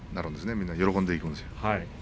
みんな喜んでいくんですよ。